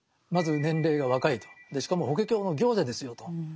まず年齢が若いとしかも「法華経の行者」ですよと。